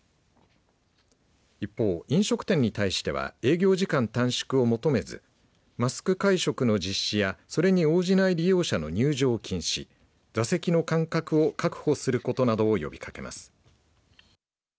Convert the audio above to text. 一方、飲食店に対しては営業時間短縮を求めずマスク会食の実施やそれに応じない利用者の入場禁止座席の間隔を確保することなどを呼びかけます。